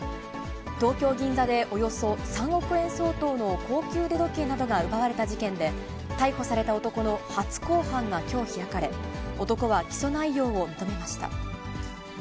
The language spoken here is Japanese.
東京・銀座で、およそ３億円相当の高級腕時計などが奪われた事件で、逮捕された男の初公判がきょう開かれ、男は起訴内容を認めました。